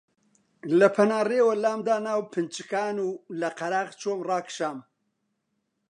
لە پەنا ڕێوە لامدا ناو پنچکان و لە قەراغ چۆم ڕاکشام